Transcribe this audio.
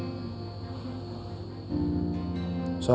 aku gak ada siapa